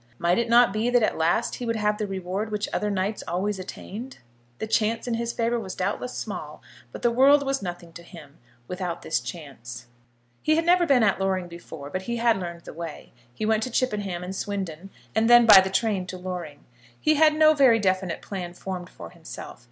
Might it not be that at last he would have the reward which other knights always attained? The chance in his favour was doubtless small, but the world was nothing to him without this chance. He had never been at Loring before, but he had learned the way. He went to Chippenham and Swindon, and then by the train to Loring. He had no very definite plan formed for himself.